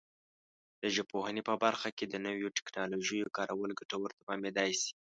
د ژبپوهنې په برخه کې د نویو ټکنالوژیو کارول ګټور تمامېدای شي.